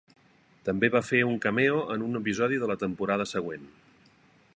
També va fer un cameo en un episodi de la temporada següent.